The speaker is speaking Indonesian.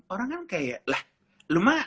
orang kan kayak lah lo mah